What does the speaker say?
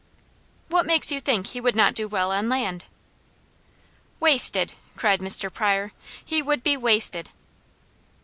"What makes you think he would not do well on land?" "Wasted!" cried Mr. Pryor. "He would be wasted!"